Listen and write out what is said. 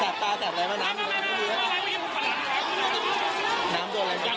แสดตาแสดอะไรมาน้ำอยู่นะครับ